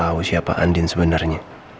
mama tau siapa andin sebenarnya